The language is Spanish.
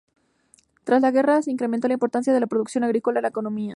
Tras la guerra se incrementó la importancia de la producción agrícola en la economía.